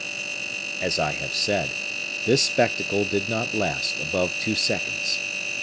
As I have said, this spectacle did not last above two seconds.